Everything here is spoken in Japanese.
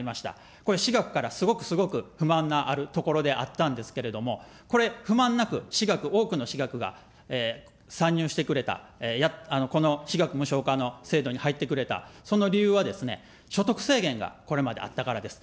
これ私学からすごくすごく不満があるところであったんですけれども、これ、不満なく私学、多くの私学が参入してくれた、この私学無償化の制度に入ってくれた、その理由はですね、所得制限がこれまであったからです。